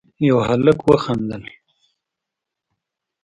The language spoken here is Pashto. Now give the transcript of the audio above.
يوه هلک وخندل: